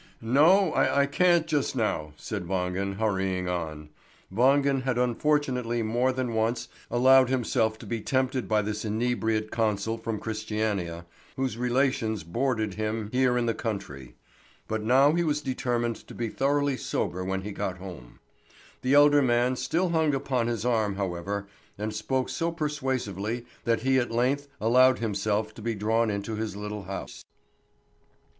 "No, I can't just now," said Wangen, hurrying on. Wangen had unfortunately more than once allowed himself to be tempted by this inebriate consul from Christiania, whose relations boarded him here in the country; but now he was determined to be thoroughly sober when he got home. The elder man still hung upon his arm, however, and spoke so persuasively that he at length allowed himself to be drawn into his little house.